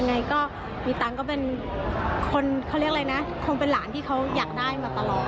ไงก็มีตังค์ก็เป็นคนเขาเรียกอะไรนะคงเป็นหลานที่เขาอยากได้มาตลอด